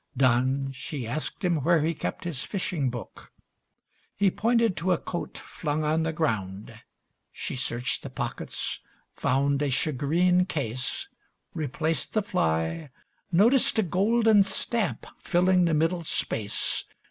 Done, She asked him where he kept his fishing book. He pointed to a coat flung on the ground. She searched the pockets, found a shagreen case, Replaced the fly, noticed a golden stamp Filling the middle space.